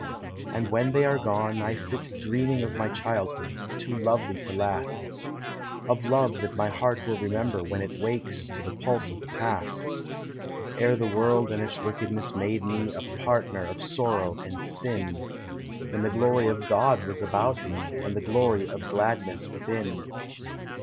And when they are gone, I sit dreaming Of mv childhood, too lovelv to last; 1 f love that my heart will remember When it wakes to the pulse of the past, 10 re the world and its wickedness made me A partner of sorrow and sin, — When the glory of Clod was about me, And the glory of gladness within.